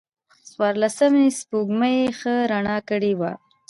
د څوارلسمم سپوږمۍ ښه رڼا کړې وه.